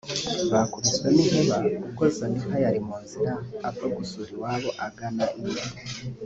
Bakubiswe n’inkuba ubwo Zaninka yari mu nzira ava gusura iwabo agana iwe